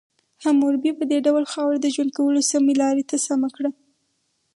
حموربي په دې ډول خاوره د ژوند کولو سمې لارې ته سمه کړه.